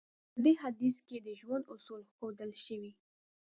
په دې حديث کې د ژوند اصول ښودل شوی.